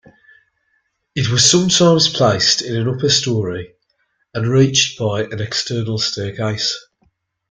It was sometimes placed in an upper storey and reached by an external staircase.